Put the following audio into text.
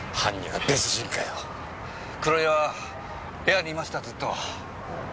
黒岩部屋にいましたずっと。